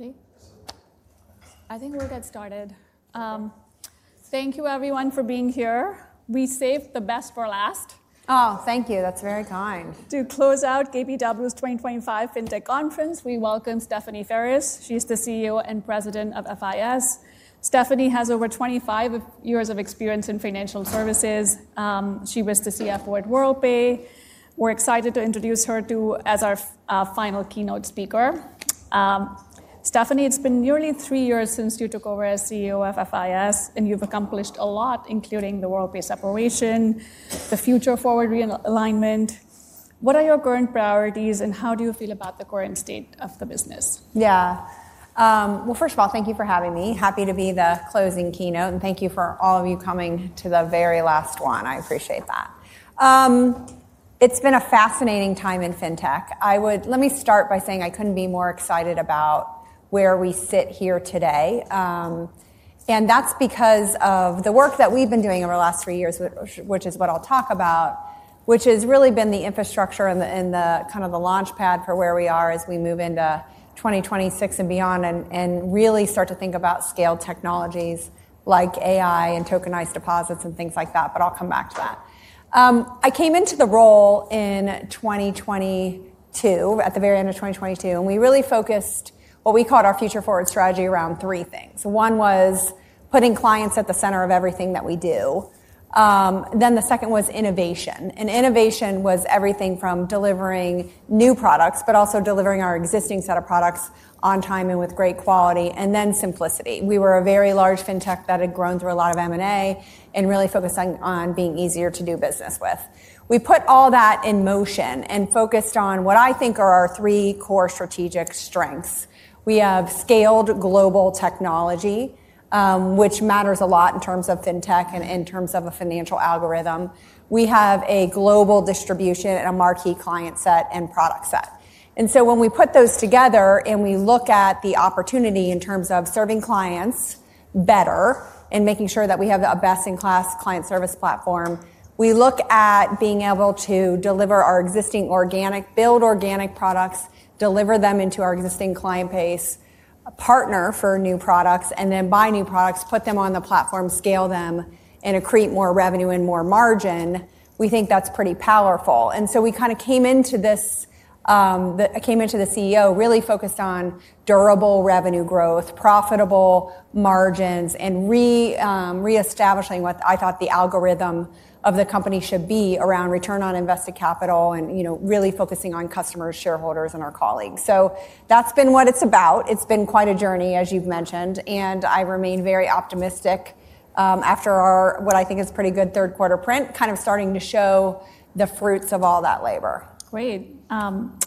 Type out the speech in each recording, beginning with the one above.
Ready? I think we're good. Started. Thank you, everyone, for being here. We saved the best for last. Oh, thank you. That's very kind. To close out GBW's 2025 FinTech Conference, we welcome Stephanie Ferris. She's the CEO and President of FIS. Stephanie has over 25 years of experience in financial services. She was the CFO at Worldpay. We're excited to introduce her as our final keynote speaker. Stephanie, it's been nearly three years since you took over as CEO of FIS, and you've accomplished a lot, including the Worldpay separation, the future forward realignment. What are your current priorities, and how do you feel about the current state of the business? Yeah. First of all, thank you for having me. Happy to be the closing keynote. Thank you for all of you coming to the very last one. I appreciate that. It's been a fascinating time in FinTech. I would—let me start by saying I couldn't be more excited about where we sit here today. That is because of the work that we've been doing over the last three years, which is what I'll talk about, which has really been the infrastructure and the kind of the launchpad for where we are as we move into 2026 and beyond and really start to think about scale technologies like AI and tokenized deposits and things like that. I'll come back to that. I came into the role in 2022, at the very end of 2022, and we really focused what we called our future forward strategy around three things. One was putting clients at the center of everything that we do. The second was innovation. Innovation was everything from delivering new products, but also delivering our existing set of products on time and with great quality, and then simplicity. We were a very large FinTech that had grown through a lot of M&A and really focused on being easier to do business with. We put all that in motion and focused on what I think are our three core strategic strengths. We have scaled global technology, which matters a lot in terms of FinTech and in terms of a financial algorithm. We have a global distribution and a marquee client set and product set. When we put those together and we look at the opportunity in terms of serving clients better and making sure that we have a best-in-class client service platform, we look at being able to deliver our existing organic, build organic products, deliver them into our existing client base, partner for new products, and then buy new products, put them on the platform, scale them, and accrete more revenue and more margin. We think that's pretty powerful. We kind of came into this, that I came into the CEO really focused on durable revenue growth, profitable margins, and reestablishing what I thought the algorithm of the company should be around return on invested capital and, you know, really focusing on customers, shareholders, and our colleagues. That's been what it's about. It's been quite a journey, as you've mentioned, and I remain very optimistic, after our what I think is pretty good third quarter print, kind of starting to show the fruits of all that labor. Great.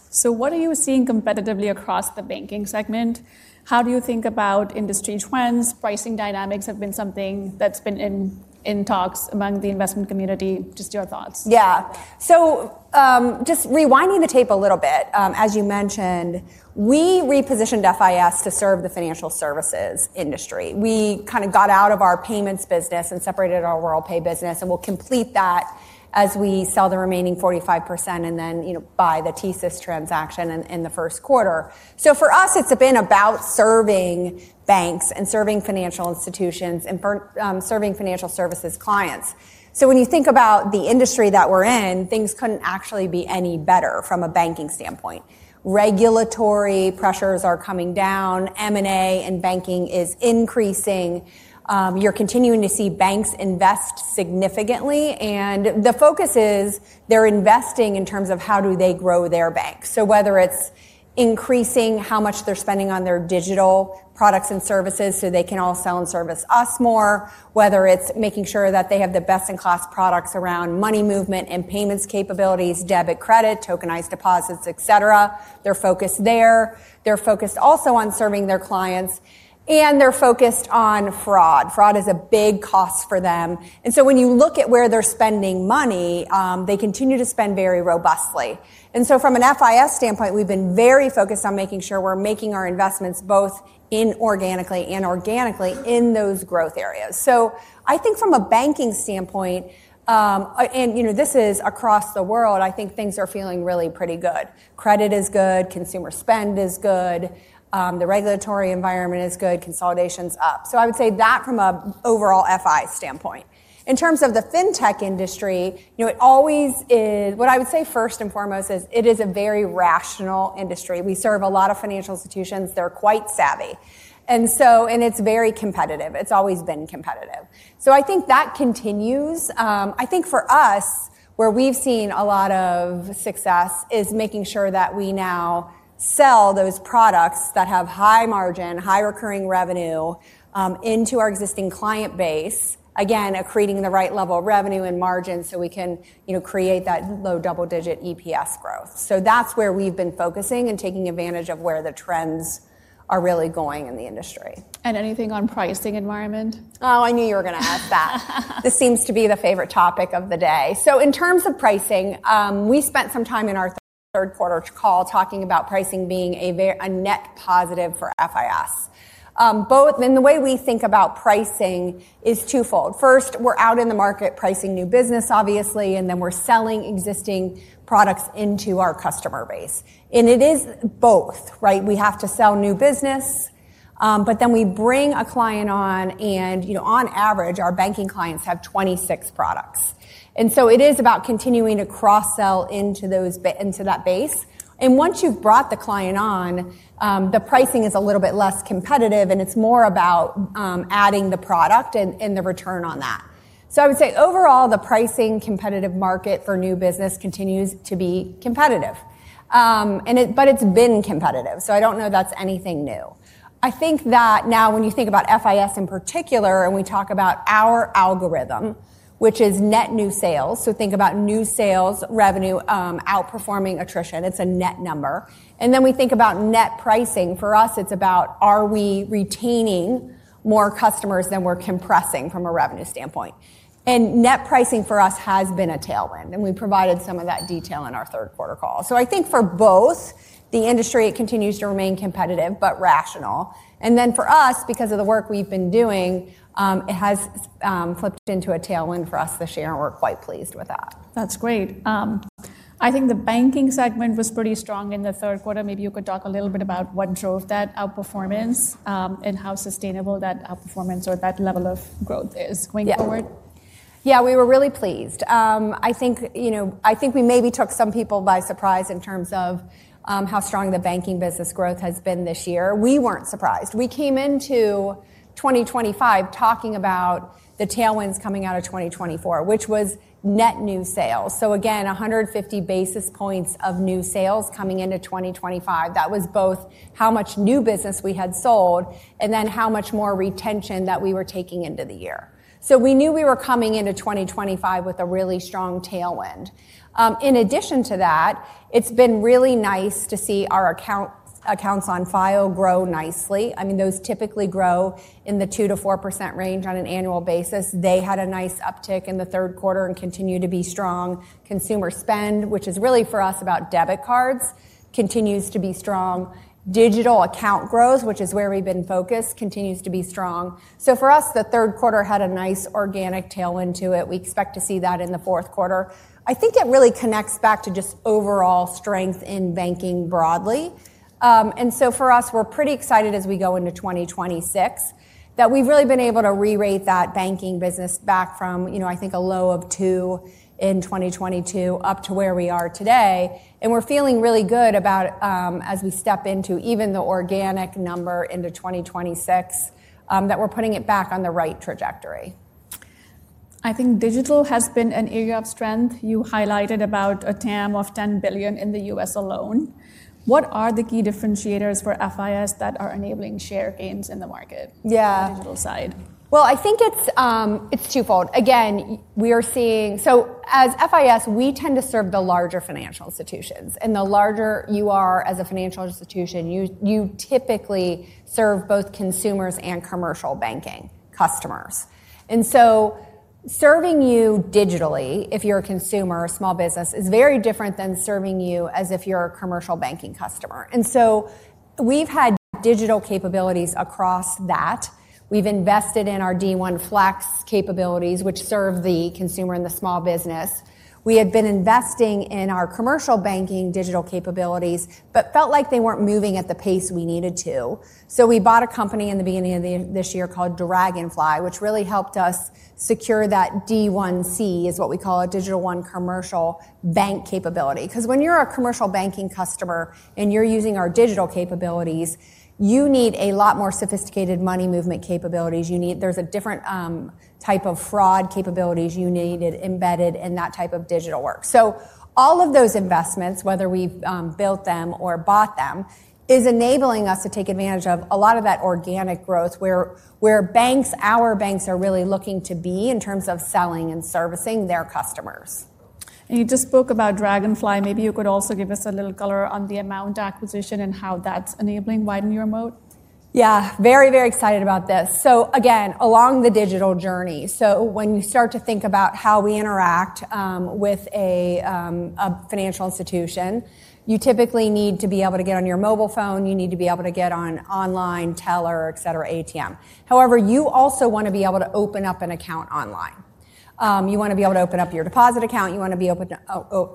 So what are you seeing competitively across the banking segment? How do you think about industry trends? Pricing dynamics have been something that's been in talks among the investment community. Just your thoughts. Yeah. So, just rewinding the tape a little bit, as you mentioned, we repositioned FIS to serve the financial services industry. We kind of got out of our payments business and separated our Worldpay business, and we'll complete that as we sell the remaining 45% and then, you know, buy the TSYS transaction in the first quarter. For us, it's been about serving banks and serving financial institutions and serving financial services clients. When you think about the industry that we're in, things couldn't actually be any better from a banking standpoint. Regulatory pressures are coming down. M&A in banking is increasing. You're continuing to see banks invest significantly. The focus is they're investing in terms of how do they grow their bank. Whether it's increasing how much they're spending on their digital products and services so they can all sell and service us more, whether it's making sure that they have the best-in-class products around money movement and payments capabilities, debit, credit, tokenized deposits, et cetera, they're focused there. They're focused also on serving their clients, and they're focused on fraud. Fraud is a big cost for them. When you look at where they're spending money, they continue to spend very robustly. From an FIS standpoint, we've been very focused on making sure we're making our investments both organically and inorganically in those growth areas. I think from a banking standpoint, and, you know, this is across the world, I think things are feeling really pretty good. Credit is good. Consumer spend is good. The regulatory environment is good. Consolidation's up. I would say that from an overall FI standpoint. In terms of the FinTech industry, you know, it always is what I would say first and foremost is it is a very rational industry. We serve a lot of financial institutions. They're quite savvy. And so, and it's very competitive. It's always been competitive. I think that continues. I think for us, where we've seen a lot of success is making sure that we now sell those products that have high margin, high recurring revenue, into our existing client base, again, accreting the right level of revenue and margin so we can, you know, create that low double-digit EPS growth. That's where we've been focusing and taking advantage of where the trends are really going in the industry. Anything on pricing environment? Oh, I knew you were going to ask that. This seems to be the favorite topic of the day. In terms of pricing, we spent some time in our third quarter call talking about pricing being a net positive for FIS. Both in the way we think about pricing is twofold. First, we're out in the market pricing new business, obviously, and then we're selling existing products into our customer base. It is both, right? We have to sell new business, but then we bring a client on and, you know, on average, our banking clients have 26 products. It is about continuing to cross-sell into those, into that base. Once you've brought the client on, the pricing is a little bit less competitive and it's more about adding the product and the return on that. I would say overall, the pricing competitive market for new business continues to be competitive, and it, but it's been competitive. I don't know that's anything new. I think that now when you think about FIS in particular and we talk about our algorithm, which is net new sales, so think about new sales revenue outperforming attrition. It's a net number. And then we think about net pricing. For us, it's about are we retaining more customers than we're compressing from a revenue standpoint. Net pricing for us has been a tailwind. We provided some of that detail in our third quarter call. I think for both, the industry continues to remain competitive but rational. For us, because of the work we've been doing, it has flipped into a tailwind for us this year and we're quite pleased with that. That's great. I think the banking segment was pretty strong in the third quarter. Maybe you could talk a little bit about what drove that outperformance, and how sustainable that outperformance or that level of growth is going forward. Yeah. Yeah, we were really pleased. I think, you know, I think we maybe took some people by surprise in terms of how strong the banking business growth has been this year. We were not surprised. We came into 2025 talking about the tailwinds coming out of 2024, which was net new sales. Again, 150 basis points of new sales coming into 2025. That was both how much new business we had sold and then how much more retention that we were taking into the year. We knew we were coming into 2025 with a really strong tailwind. In addition to that, it has been really nice to see our accounts on file grow nicely. I mean, those typically grow in the 2%-4% range on an annual basis. They had a nice uptick in the third quarter and continue to be strong. Consumer spend, which is really for us about debit cards, continues to be strong. Digital account growth, which is where we've been focused, continues to be strong. For us, the third quarter had a nice organic tailwind to it. We expect to see that in the fourth quarter. I think it really connects back to just overall strength in banking broadly. For us, we're pretty excited as we go into 2026 that we've really been able to re-rate that banking business back from, you know, I think a low of two in 2022 up to where we are today. We're feeling really good about, as we step into even the organic number into 2026, that we're putting it back on the right trajectory. I think digital has been an area of strength. You highlighted about a TAM of $10 billion in the U.S. alone. What are the key differentiators for FIS that are enabling share gains in the market? Yeah. Digital side. I think it's twofold. Again, we are seeing, as FIS, we tend to serve the larger financial institutions. The larger you are as a financial institution, you typically serve both consumers and commercial banking customers. Serving you digitally, if you're a consumer or a small business, is very different than serving you as a commercial banking customer. We have had digital capabilities across that. We have invested in our D1 Flex capabilities, which serve the consumer and the small business. We had been investing in our commercial banking digital capabilities, but felt like they were not moving at the pace we needed to. We bought a company in the beginning of this year called Dragonfly, which really helped us secure that D1C, which is what we call a Digital One Commercial bank capability. Because when you're a commercial banking customer and you're using our digital capabilities, you need a lot more sophisticated money movement capabilities. You need, there's a different type of fraud capabilities. You need it embedded in that type of digital work. All of those investments, whether we've built them or bought them, is enabling us to take advantage of a lot of that organic growth where banks, our banks are really looking to be in terms of selling and servicing their customers. You just spoke about Dragonfly. Maybe you could also give us a little color on the amount acquisition and how that's enabling Widen Your Moat. Yeah, very, very excited about this. Again, along the digital journey. When you start to think about how we interact with a financial institution, you typically need to be able to get on your mobile phone. You need to be able to get on online teller, et cetera, ATM. However, you also want to be able to open up an account online. You want to be able to open up your deposit account. You want to be able to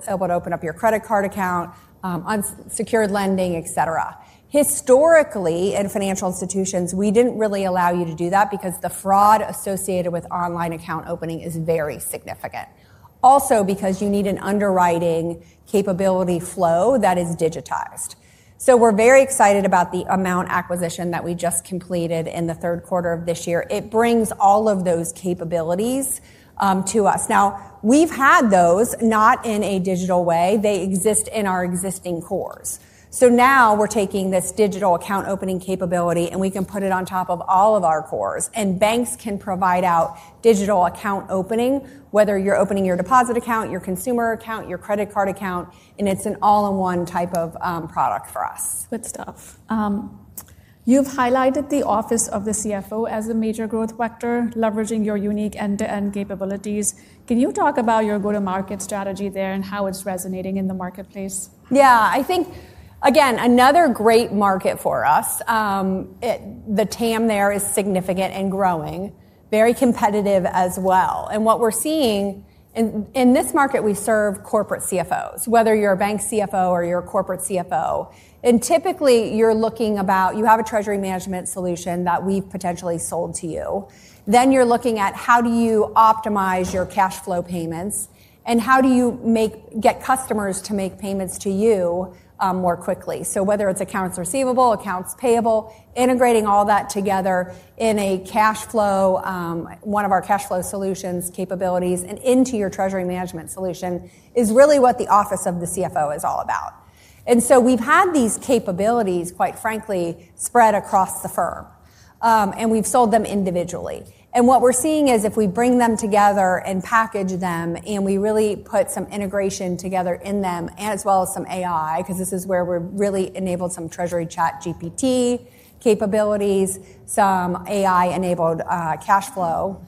open up your credit card account, on secured lending, et cetera. Historically, in financial institutions, we did not really allow you to do that because the fraud associated with online account opening is very significant. Also because you need an underwriting capability flow that is digitized. We are very excited about the amount acquisition that we just completed in the third quarter of this year. It brings all of those capabilities to us. Now, we've had those not in a digital way. They exist in our existing cores. Now we're taking this digital account opening capability and we can put it on top of all of our cores. Banks can provide out digital account opening, whether you're opening your deposit account, your consumer account, your credit card account, and it's an all-in-one type of product for us. Good stuff. You've highlighted the office of the CFO as a major growth vector, leveraging your unique end-to-end capabilities. Can you talk about your go-to-market strategy there and how it's resonating in the marketplace? Yeah, I think, again, another great market for us. The TAM there is significant and growing, very competitive as well. What we're seeing in this market, we serve corporate CFOs, whether you're a bank CFO or you're a corporate CFO. Typically you're looking about, you have a treasury management solution that we've potentially sold to you. Then you're looking at how do you optimize your cash flow payments and how do you get customers to make payments to you more quickly. Whether it's accounts receivable, accounts payable, integrating all that together in a cash flow, one of our cash flow solutions capabilities and into your treasury management solution is really what the office of the CFO is all about. We've had these capabilities, quite frankly, spread across the firm, and we've sold them individually. What we're seeing is if we bring them together and package them and we really put some integration together in them as well as some AI, because this is where we really enabled some treasury ChatGPT capabilities, some AI-enabled cash flow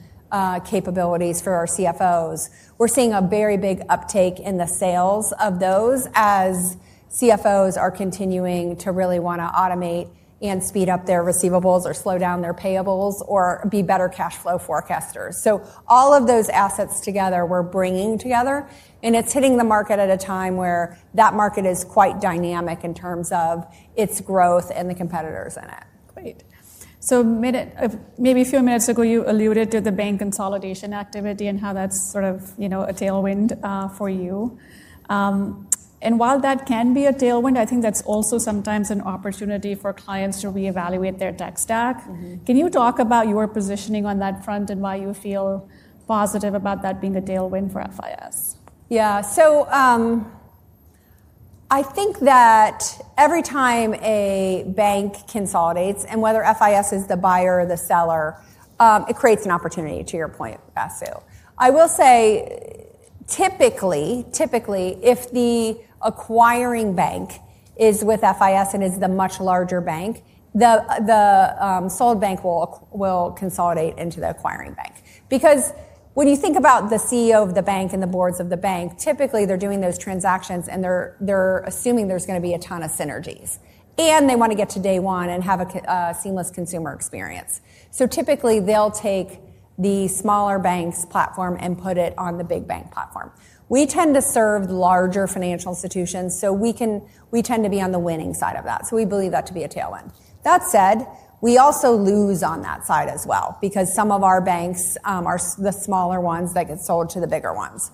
capabilities for our CFOs. We're seeing a very big uptake in the sales of those as CFOs are continuing to really want to automate and speed up their receivables or slow down their payables or be better cash flow forecasters. All of those assets together, we're bringing together, and it's hitting the market at a time where that market is quite dynamic in terms of its growth and the competitors in it. Great. Maybe a few minutes ago, you alluded to the bank consolidation activity and how that is sort of, you know, a tailwind for you. While that can be a tailwind, I think that is also sometimes an opportunity for clients to reevaluate their tech stack. Can you talk about your positioning on that front and why you feel positive about that being a tailwind for FIS? Yeah. I think that every time a bank consolidates and whether FIS is the buyer or the seller, it creates an opportunity to your point, Bassu. I will say typically, if the acquiring bank is with FIS and is the much larger bank, the sold bank will consolidate into the acquiring bank. Because when you think about the CEO of the bank and the boards of the bank, typically they're doing those transactions and they're assuming there's going to be a ton of synergies and they want to get to day one and have a seamless consumer experience. Typically they'll take the smaller bank's platform and put it on the big bank platform. We tend to serve larger financial institutions, so we tend to be on the winning side of that. We believe that to be a tailwind. That said, we also lose on that side as well because some of our banks are the smaller ones that get sold to the bigger ones.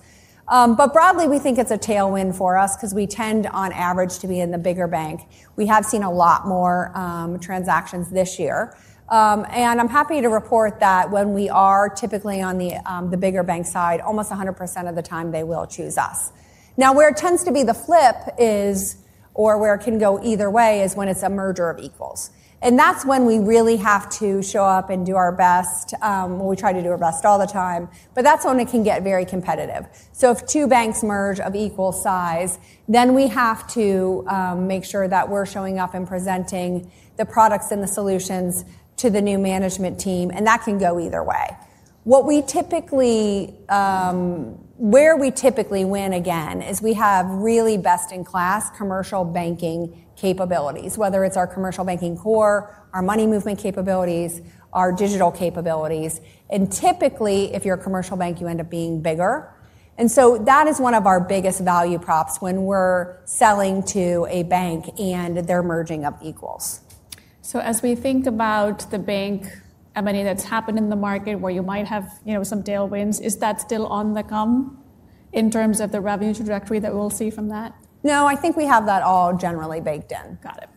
Broadly, we think it's a tailwind for us because we tend on average to be in the bigger bank. We have seen a lot more transactions this year, and I'm happy to report that when we are typically on the bigger bank side, almost 100% of the time they will choose us. Where it tends to be the flip, or where it can go either way, is when it's a merger of equals. That's when we really have to show up and do our best. We try to do our best all the time, but that's when it can get very competitive. If two banks merge of equal size, then we have to make sure that we're showing up and presenting the products and the solutions to the new management team, and that can go either way. Where we typically win again is we have really best-in-class commercial banking capabilities, whether it's our commercial banking core, our money movement capabilities, our digital capabilities. Typically, if you're a commercial bank, you end up being bigger. That is one of our biggest value props when we're selling to a bank and they're merging of equals. As we think about the bank, I mean, that's happened in the market where you might have, you know, some tailwinds. Is that still on the come in terms of the revenue trajectory that we'll see from that? No, I think we have that all generally baked in. Got it.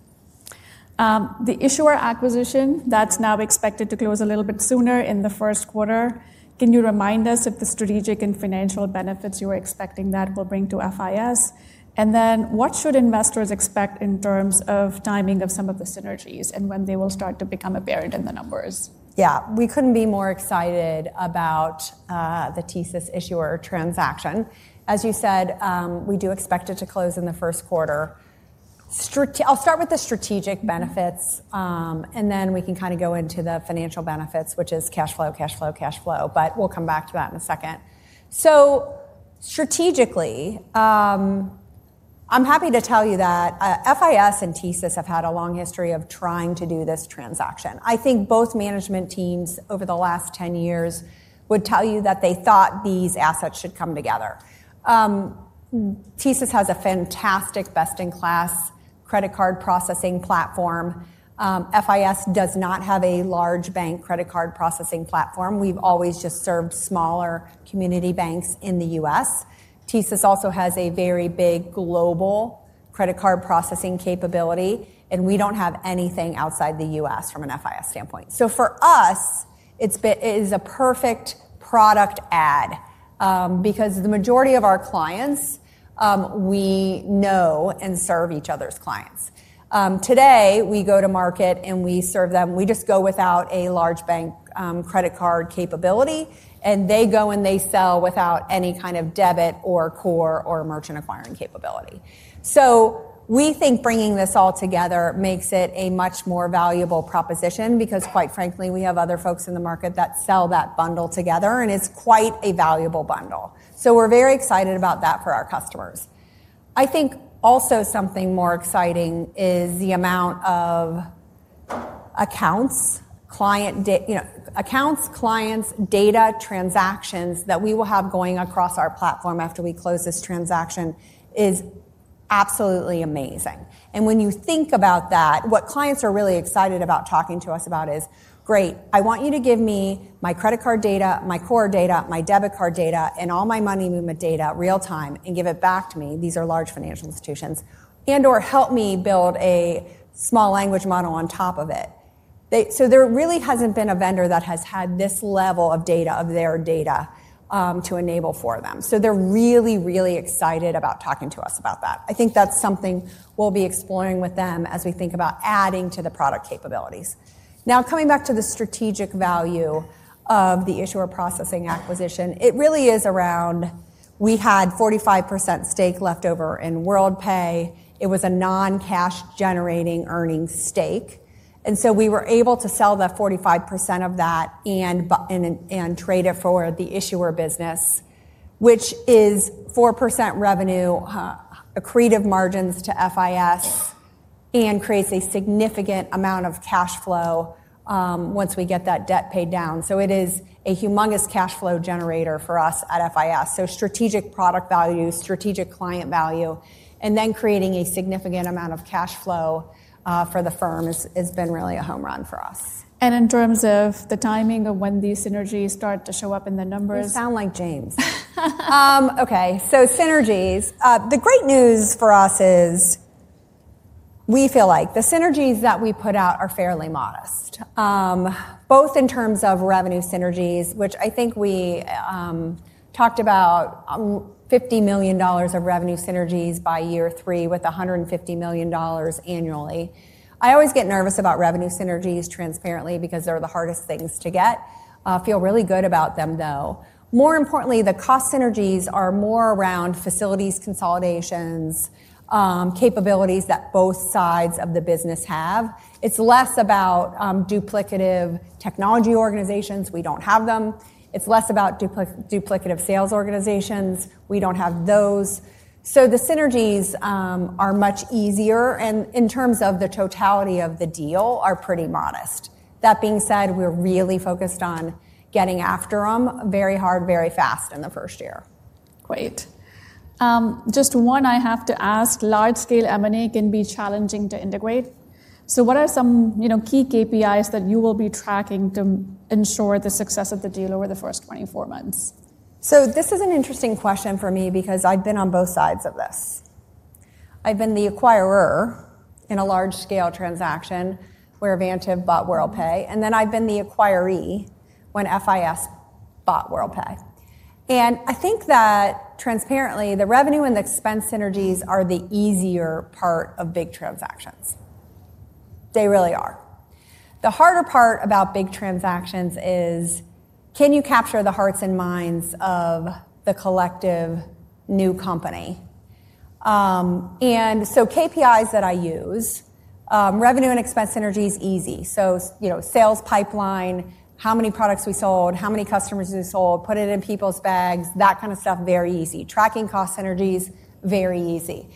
The issuer acquisition that's now expected to close a little bit sooner in the first quarter. Can you remind us of the strategic and financial benefits you were expecting that will bring to FIS? What should investors expect in terms of timing of some of the synergies and when they will start to become apparent in the numbers? Yeah, we could not be more excited about the TSYS issuer transaction. As you said, we do expect it to close in the first quarter. I'll start with the strategic benefits, and then we can kind of go into the financial benefits, which is cash flow, cash flow, cash flow, but we'll come back to that in a second. Strategically, I'm happy to tell you that FIS and TSYS have had a long history of trying to do this transaction. I think both management teams over the last 10 years would tell you that they thought these assets should come together. TSYS has a fantastic best-in-class credit card processing platform. FIS does not have a large bank credit card processing platform. We've always just served smaller community banks in the U.S. TSYS also has a very big global credit card processing capability, and we do not have anything outside the U.S. from an FIS standpoint. For us, it has been, it is a perfect product add, because the majority of our clients, we know and serve each other's clients. Today we go to market and we serve them. We just go without a large bank credit card capability, and they go and they sell without any kind of debit or core or merchant acquiring capability. We think bringing this all together makes it a much more valuable proposition because, quite frankly, we have other folks in the market that sell that bundle together, and it is quite a valuable bundle. We are very excited about that for our customers. I think also something more exciting is the amount of accounts, client, you know, accounts, clients, data transactions that we will have going across our platform after we close this transaction is absolutely amazing. When you think about that, what clients are really excited about talking to us about is, great, I want you to give me my credit card data, my core data, my debit card data, and all my money movement data real time and give it back to me. These are large financial institutions and/or help me build a small language model on top of it. There really hasn't been a vendor that has had this level of data of their data, to enable for them. They are really, really excited about talking to us about that. I think that's something we'll be exploring with them as we think about adding to the product capabilities. Now, coming back to the strategic value of the issuer processing acquisition, it really is around we had 45% stake left over in Worldpay. It was a non-cash generating earnings stake. We were able to sell that 45% of that and trade it for the issuer business, which is 4% revenue, accretive margins to FIS and creates a significant amount of cash flow, once we get that debt paid down. It is a humongous cash flow generator for us at FIS. Strategic product value, strategic client value, and then creating a significant amount of cash flow for the firm has been really a home run for us. In terms of the timing of when these synergies start to show up in the numbers. You sound like James. Okay. So synergies, the great news for us is we feel like the synergies that we put out are fairly modest, both in terms of revenue synergies, which I think we talked about, $50 million of revenue synergies by year three with $150 million annually. I always get nervous about revenue synergies, transparently, because they're the hardest things to get. Feel really good about them, though. More importantly, the cost synergies are more around facilities consolidations, capabilities that both sides of the business have. It's less about duplicative technology organizations. We don't have them. It's less about duplicative sales organizations. We don't have those. So the synergies are much easier and in terms of the totality of the deal are pretty modest. That being said, we're really focused on getting after them very hard, very fast in the first year. Great. Just one I have to ask, large scale M&A can be challenging to integrate. What are some, you know, key KPIs that you will be tracking to ensure the success of the deal over the first 24 months? This is an interesting question for me because I've been on both sides of this. I've been the acquirer in a large scale transaction where Vantiv bought Worldpay, and then I've been the acquiree when FIS bought Worldpay. I think that transparently the revenue and the expense synergies are the easier part of big transactions. They really are. The harder part about big transactions is can you capture the hearts and minds of the collective new company? KPIs that I use, revenue and expense synergy is easy. You know, sales pipeline, how many products we sold, how many customers we sold, put it in people's bags, that kind of stuff, very easy. Tracking cost synergies, very easy.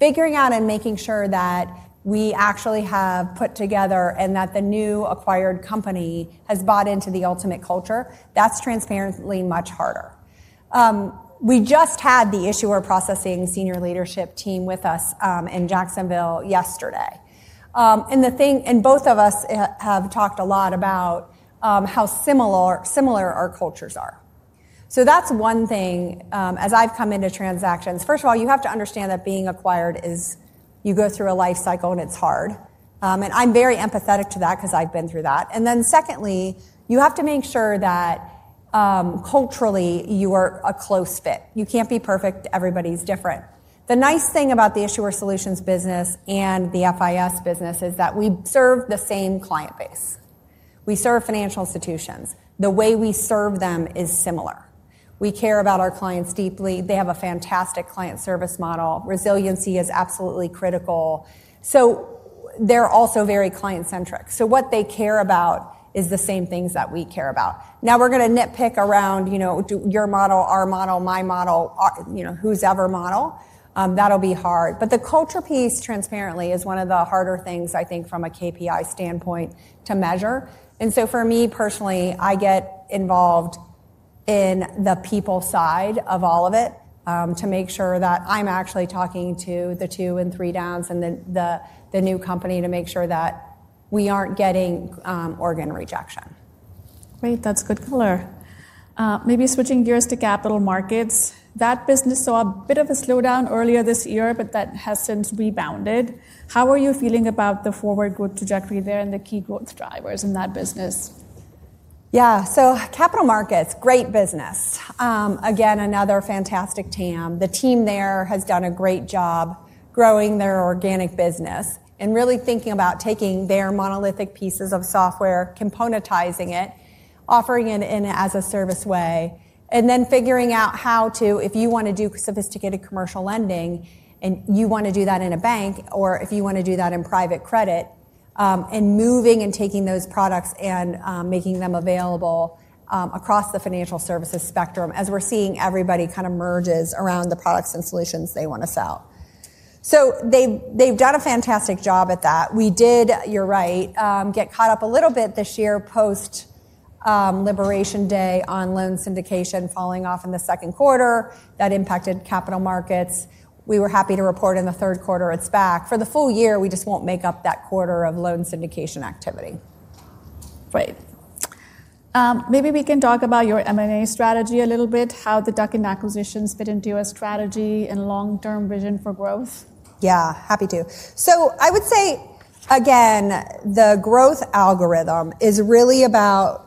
Figuring out and making sure that we actually have put together and that the new acquired company has bought into the ultimate culture, that's transparently much harder. We just had the issuer processing senior leadership team with us in Jacksonville yesterday. The thing, and both of us have talked a lot about, how similar our cultures are. That is one thing, as I've come into transactions. First of all, you have to understand that being acquired is, you go through a life cycle and it's hard. I'm very empathetic to that because I've been through that. Secondly, you have to make sure that, culturally you are a close fit. You can't be perfect. Everybody's different. The nice thing about the issuer solutions business and the FIS business is that we serve the same client base. We serve financial institutions. The way we serve them is similar. We care about our clients deeply. They have a fantastic client service model. Resiliency is absolutely critical. They are also very client centric. What they care about is the same things that we care about. Now we're going to nitpick around, you know, your model, our model, my model, you know, whosever model. That'll be hard. The culture piece, transparently, is one of the harder things I think from a KPI standpoint to measure. For me personally, I get involved in the people side of all of it, to make sure that I'm actually talking to the two and three downs and the new company to make sure that we aren't getting organ rejection. Great. That's good color. Maybe switching gears to capital markets. That business saw a bit of a slowdown earlier this year, but that has since rebounded. How are you feeling about the forward growth trajectory there and the key growth drivers in that business? Yeah. Capital markets, great business. Again, another fantastic team. The team there has done a great job growing their organic business and really thinking about taking their monolithic pieces of software, componentizing it, offering it in as a service way, and then figuring out how to, if you want to do sophisticated commercial lending and you want to do that in a bank, or if you want to do that in private credit, and moving and taking those products and making them available across the financial services spectrum as we're seeing everybody kind of merges around the products and solutions they want to sell. They've done a fantastic job at that. We did, you're right, get caught up a little bit this year post-liberation day on loan syndication falling off in the second quarter. That impacted capital markets. We were happy to report in the third quarter. It's back for the full year. We just won't make up that quarter of loan syndication activity. Right. Maybe we can talk about your M&A strategy a little bit, how the tuck-in acquisitions fit into your strategy and long-term vision for growth. Yeah, happy to. I would say, again, the growth algorithm is really about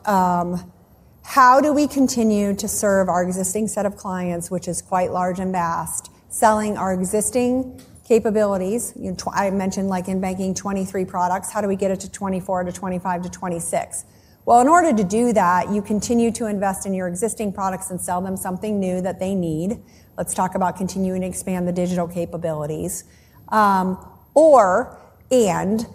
how do we continue to serve our existing set of clients, which is quite large and vast, selling our existing capabilities. You know, I mentioned like in banking 23 products. How do we get it to 24 to 25 to 26? In order to do that, you continue to invest in your existing products and sell them something new that they need. Let's talk about continuing to expand the digital capabilities. You know,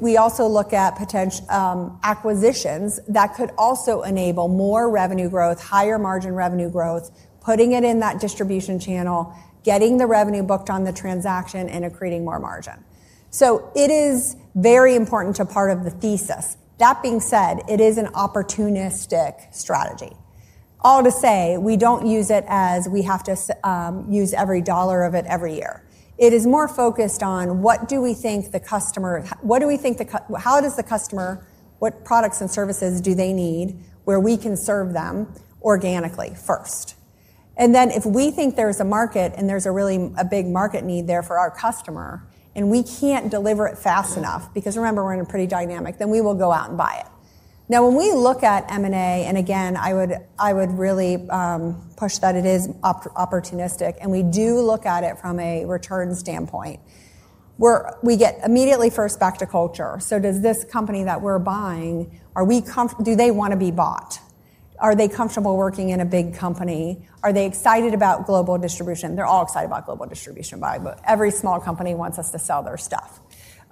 we also look at potential acquisitions that could also enable more revenue growth, higher margin revenue growth, putting it in that distribution channel, getting the revenue booked on the transaction and accreting more margin. It is very important to part of the thesis. That being said, it is an opportunistic strategy. All to say, we don't use it as we have to use every dollar of it every year. It is more focused on what do we think the customer, what do we think the, how does the customer, what products and services do they need where we can serve them organically first? If we think there's a market and there's a really big market need there for our customer and we can't deliver it fast enough because remember, we're in a pretty dynamic, then we will go out and buy it. Now, when we look at M&A, I would really push that it is opportunistic and we do look at it from a return standpoint where we get immediately first back to culture. Does this company that we're buying, are we comfortable, do they want to be bought? Are they comfortable working in a big company? Are they excited about global distribution? They're all excited about global distribution buying, but every small company wants us to sell their stuff.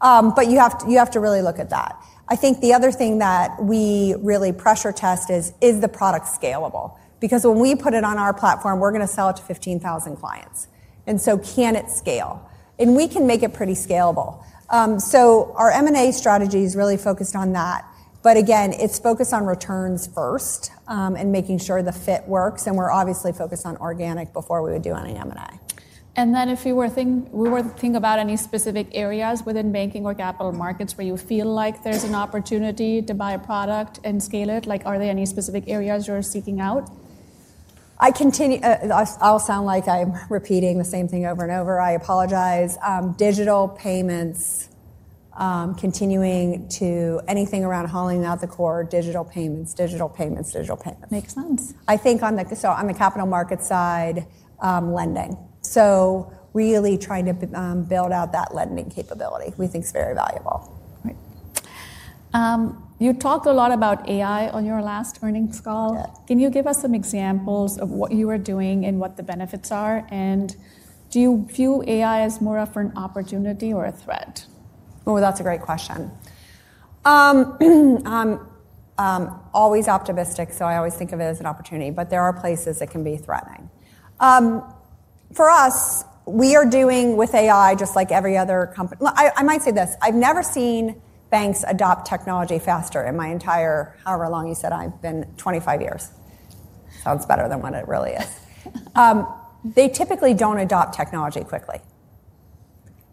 You have to, you have to really look at that. I think the other thing that we really pressure test is, is the product scalable? Because when we put it on our platform, we're going to sell it to 15,000 clients. Can it scale? We can make it pretty scalable. Our M&A strategy is really focused on that. Again, it's focused on returns first, and making sure the fit works. We're obviously focused on organic before we would do any M&A. If you were thinking about any specific areas within banking or capital markets where you feel like there's an opportunity to buy a product and scale it, like are there any specific areas you're seeking out? I continue, I'll sound like I'm repeating the same thing over and over. I apologize. Digital payments, continuing to anything around hauling out the core, digital payments, digital payments, digital payments. Makes sense. I think on the, so on the capital market side, lending. So really trying to build out that lending capability, we think is very valuable. Right. You talked a lot about AI on your last earnings call. Can you give us some examples of what you are doing and what the benefits are? Do you view AI as more of an opportunity or a threat? Oh, that's a great question. I'm always optimistic. I always think of it as an opportunity, but there are places it can be threatening. For us, we are doing with AI just like every other company. I might say this. I've never seen banks adopt technology faster in my entire, however long you said I've been, 25 years. Sounds better than what it really is. They typically do not adopt technology quickly.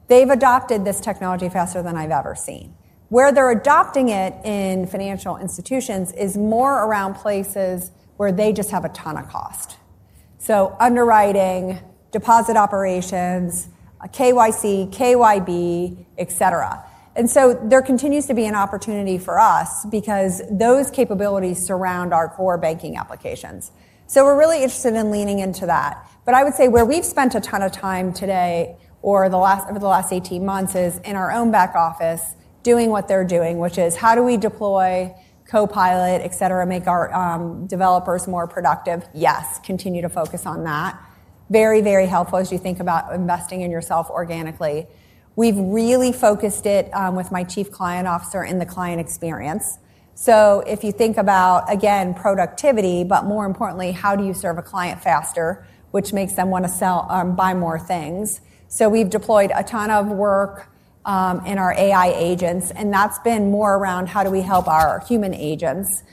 They've adopted this technology faster than I've ever seen. Where they're adopting it in financial institutions is more around places where they just have a ton of cost. Underwriting, deposit operations, KYC, KYB, et cetera. There continues to be an opportunity for us because those capabilities surround our core banking applications. We're really interested in leaning into that. I would say where we've spent a ton of time today or over the last 18 months is in our own back office doing what they're doing, which is how do we deploy Copilot, et cetera, make our developers more productive? Yes, continue to focus on that. Very, very helpful as you think about investing in yourself organically. We've really focused it, with my Chief Client Officer, in the client experience. If you think about, again, productivity, but more importantly, how do you serve a client faster, which makes them want to sell, buy more things. We've deployed a ton of work in our AI agents, and that's been more around how do we help our human agents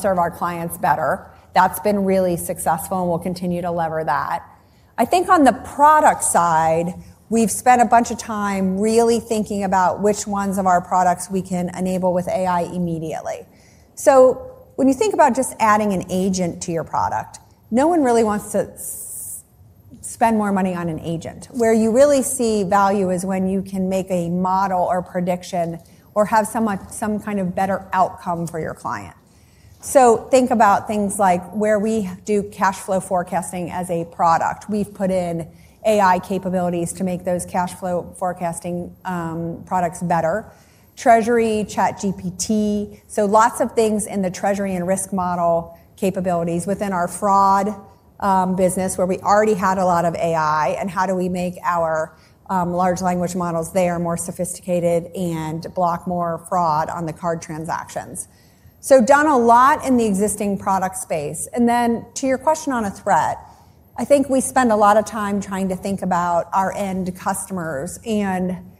serve our clients better. That's been really successful and we'll continue to lever that. I think on the product side, we've spent a bunch of time really thinking about which ones of our products we can enable with AI immediately. When you think about just adding an agent to your product, no one really wants to spend more money on an agent. Where you really see value is when you can make a model or prediction or have some kind of better outcome for your client. Think about things like where we do cash flow forecasting as a product. We've put in AI capabilities to make those cash flow forecasting products better. Treasury, ChatGPT. Lots of things in the treasury and risk model capabilities within our fraud business where we already had a lot of AI and how do we make our large language models there more sophisticated and block more fraud on the card transactions. Done a lot in the existing product space. To your question on a threat, I think we spend a lot of time trying to think about our end customers and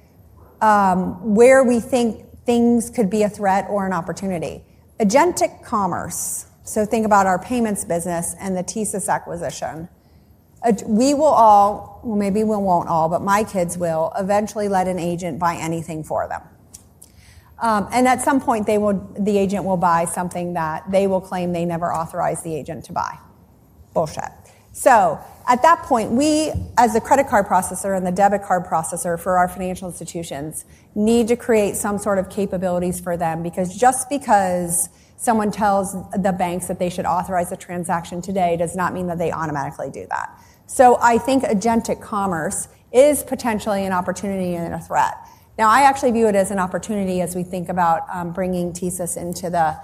where we think things could be a threat or an opportunity. Agentic commerce. Think about our payments business and the thesis acquisition. We will all, well, maybe we will not all, but my kids will eventually let an agent buy anything for them. At some point they will, the agent will buy something that they will claim they never authorized the agent to buy. Bullshit. At that point, we as the credit card processor and the debit card processor for our financial institutions need to create some sort of capabilities for them because just because someone tells the banks that they should authorize the transaction today does not mean that they automatically do that. I think agentic commerce is potentially an opportunity and a threat. Now I actually view it as an opportunity as we think about bringing thesis into the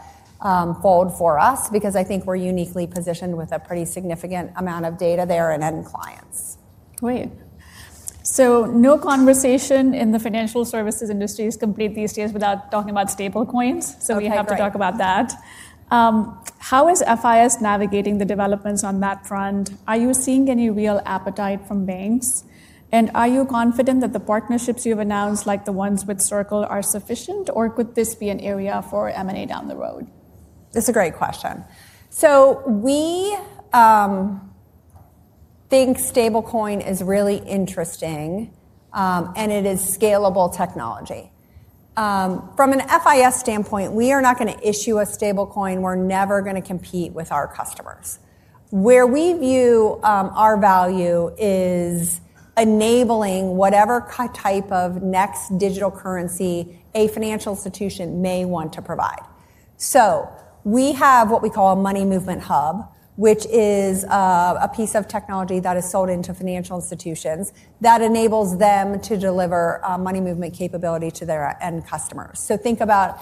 fold for us because I think we're uniquely positioned with a pretty significant amount of data there and end clients. Great. No conversation in the financial services industry is complete these days without talking about stable coins. We have to talk about that. How is FIS navigating the developments on that front? Are you seeing any real appetite from banks? Are you confident that the partnerships you've announced, like the ones with Circle, are sufficient or could this be an area for M&A down the road? That's a great question. We think stablecoin is really interesting, and it is scalable technology. From an FIS standpoint, we are not going to issue a stablecoin. We're never going to compete with our customers. Where we view our value is enabling whatever type of next digital currency a financial institution may want to provide. We have what we call a Money Movement Hub, which is a piece of technology that is sold into financial institutions that enables them to deliver a money movement capability to their end customers. Think about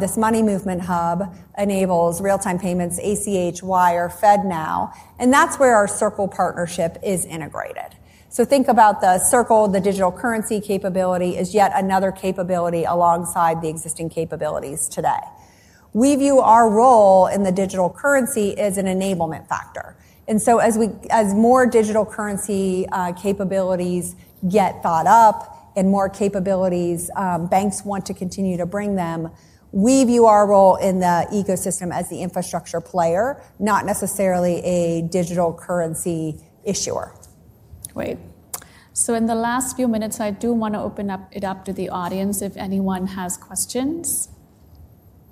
this Money Movement Hub enables real-time payments, ACH, Wire, FedNow, and that's where our Circle partnership is integrated. Think about the Circle, the digital currency capability is yet another capability alongside the existing capabilities today. We view our role in the digital currency as an enablement factor. As more digital currency capabilities get thought up and more capabilities, banks want to continue to bring them, we view our role in the ecosystem as the infrastructure player, not necessarily a digital currency issuer. Great. In the last few minutes, I do want to open it up to the audience if anyone has questions.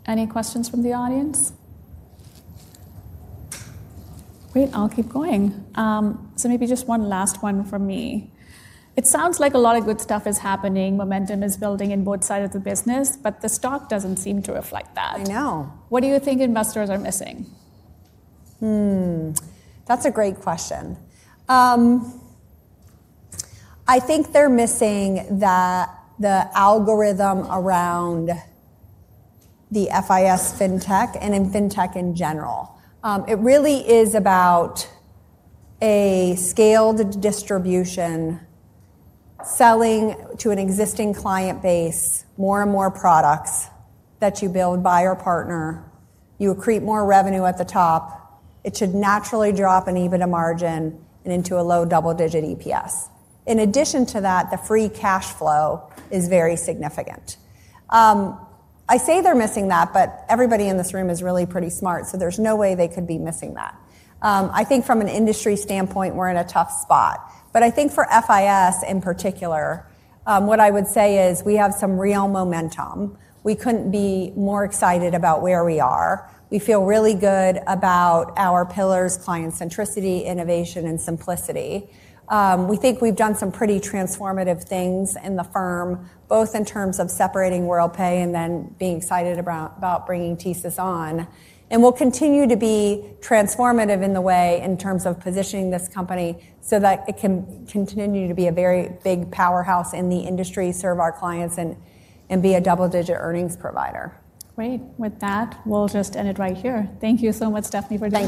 Any questions from the audience? Great. I'll keep going. Maybe just one last one from me. It sounds like a lot of good stuff is happening. Momentum is building in both sides of the business, but the stock doesn't seem to reflect that. I know. What do you think investors are missing? That's a great question. I think they're missing the algorithm around the FIS FinTech and in FinTech in general. It really is about a scaled distribution selling to an existing client base, more and more products that you build, buy or partner, you accrete more revenue at the top, it should naturally drop an EBITDA margin and into a low double-digit EPS. In addition to that, the free cash flow is very significant. I say they're missing that, but everybody in this room is really pretty smart. There is no way they could be missing that. I think from an industry standpoint, we're in a tough spot. I think for FIS in particular, what I would say is we have some real momentum. We couldn't be more excited about where we are. We feel really good about our pillars, client centricity, innovation, and simplicity. We think we've done some pretty transformative things in the firm, both in terms of separating Worldpay and then being excited about bringing TSYS on. We'll continue to be transformative in the way in terms of positioning this company so that it can continue to be a very big powerhouse in the industry, serve our clients, and be a double-digit earnings provider. Great. With that, we'll just end it right here. Thank you so much, Stephanie, for the.